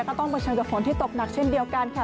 ต้องเผชิญกับฝนที่ตกหนักเช่นเดียวกันค่ะ